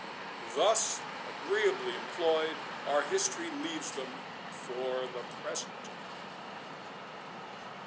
Thus agreeably employed, our history leaves them for the present.